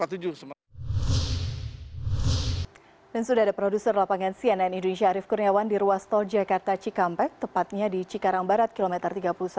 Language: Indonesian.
dan sudah ada produser lapangan cnn indonesia arief kurniawan di ruas tol jakarta cikampek tepatnya di cikarang barat kilometer tiga puluh satu